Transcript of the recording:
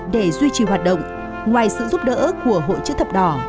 để duy trì hoạt động ngoài sự giúp đỡ của hội chữ thập đỏ